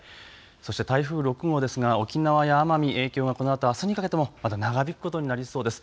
そして台風６号ですが沖縄や奄美、影響がこのあとあすにかけてもまだ長引くことになりそうです。